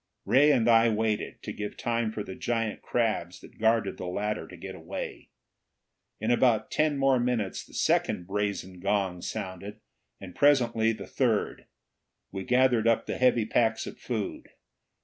Ray and I waited, to give time for the giant crabs that guarded the ladder to get away. In about ten more minutes the second brazen gong sounded, and presently the third. We gathered up the heavy packs of food.